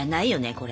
これ。